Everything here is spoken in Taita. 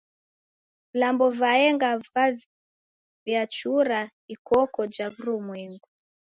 Vilambo vaenga vaw'iachura ikoko ja w'urumwengu.